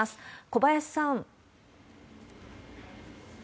小林さん。